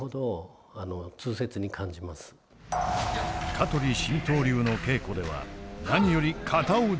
香取神道流の稽古では何より型を重視している。